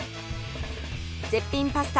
絶品パスタ